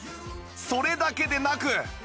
それだけでなく